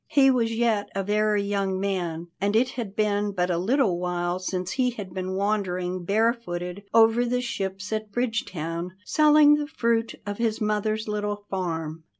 He was yet a very young man, and it had been but a little while since he had been wandering barefooted over the ships at Bridgetown, selling the fruit of his mother's little farm.